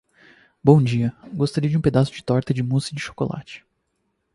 Bom dia, gostaria de um pedaço de torta musse de chocolate.